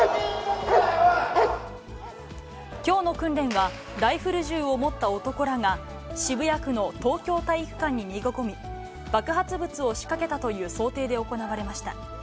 きょうの訓練は、ライフル銃を持った男らが、渋谷区の東京体育館に逃げ込み、爆発物を仕掛けたという想定で行われました。